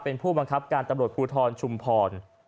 เป็นผู้บังคับการตำรวจภูทรชุมพร